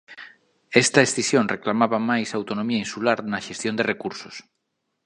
Esta escisión reclamaba máis autonomía insular na xestión de recursos.